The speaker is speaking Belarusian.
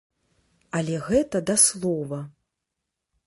Але гэта да слова.